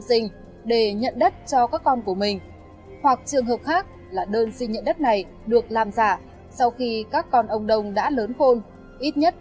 xin chào và hẹn gặp lại trong các video tiếp theo